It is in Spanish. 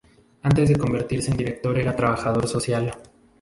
Antes de convertirse en director era trabajador social.